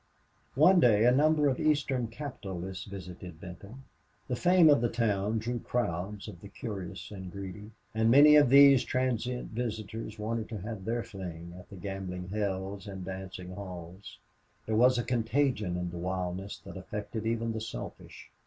One day a number of Eastern capitalists visited Benton. The fame of the town drew crowds of the curious and greedy. And many of these transient visitors wanted to have their fling at the gambling hells and dancing halls. There was a contagion in the wildness that affected even the selfish.